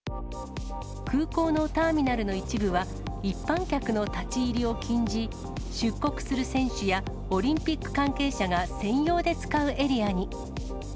空港のターミナルの一部は、一般客の立ち入りを禁じ、出国する選手やオリンピック関係者が専用で使うエリアに。